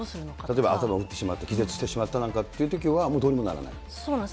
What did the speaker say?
例えば頭打ってしまって気絶してしまったなんかというときは、もう、どうにもならない。